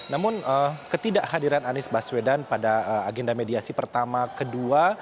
namun ketidakhadiran anies baswedan pada agenda mediasi pertama kedua